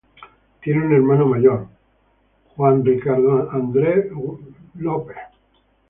Tiene un hermano mayor: Xan Richard Anders Windsor, Barón Culloden.